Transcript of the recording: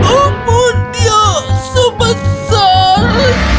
apa dia sebesar ini